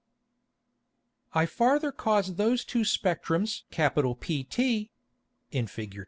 I farther caused those two Spectrums PT [in _Fig.